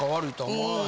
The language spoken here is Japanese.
うん。